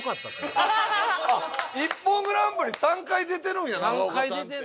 『ＩＰＰＯＮグランプリ』３回出てるんや中岡さんって。